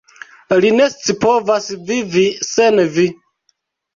Li ne scipovas vivi sen vi.